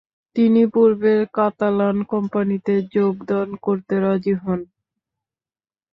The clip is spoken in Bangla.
তিনি পূর্বের কাতালান কোম্পানিতে যোগদান করতে রাজি হন।